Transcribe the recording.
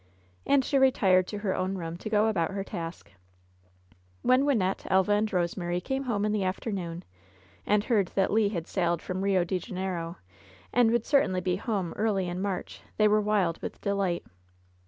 And she retired to her own room to go about her task. When Wynnette, Elva and Eosemary came home in the afternoon, and heard that Le had sailed from Eio de Janeiro, and would certainly be home early in March^ they were wild with delight.